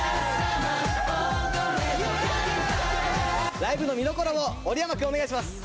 ライブの見どころを織山君、お願いします。